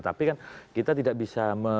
tapi kan kita tidak bisa